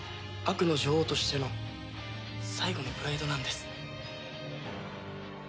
悪の女王としての最後のプライドなんです。